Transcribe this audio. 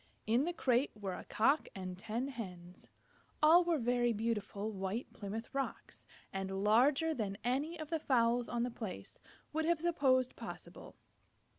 In the crate were a Cock and ten Hens. All were very beautiful White Plymouth Rocks, and larger than any of the fowls on the place would have supposed possible.